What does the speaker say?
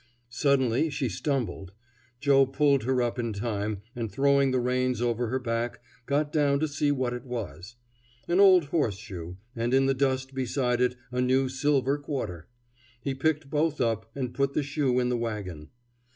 Suddenly she stumbled. Joe pulled her up in time, and throwing the reins over her back, got down to see what it was. An old horseshoe, and in the dust beside it a new silver quarter. He picked both up and put the shoe in the wagon.